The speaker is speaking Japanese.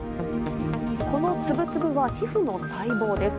この粒々は皮ふの細胞です。